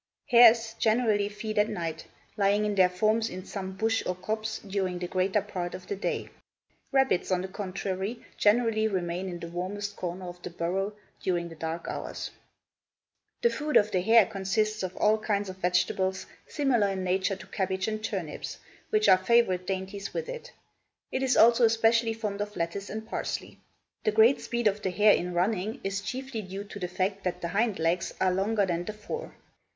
Hares generally feed at night, lying in their forms in some bush or copse during the greater part of the day; rabbits, on the contrary, generally remain in the warmest corner of the burrow during the dark hours. The food of the hare consists of all kinds of vegetables similar in nature to cabbage and turnips, which are favorite dainties with it; it is also especially fond of lettuce and parsley. The great speed of the hare in running is chiefly due to the fact that the hind legs are longer than the fore.